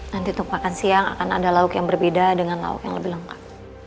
nanti untuk makan siang akan ada lauk yang berbeda dengan lauk yang lebih lengkap